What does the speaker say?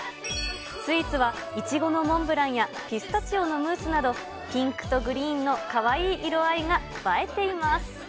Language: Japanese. スイーツはいちごのモンブランや、ピスタチオのムースなど、ピンクとグリーンのかわいい色合いが映えています。